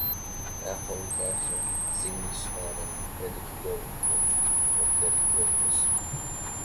Erfolgreiche Singles waren „Ready To Go“ und „Drop Dead Gorgeous“.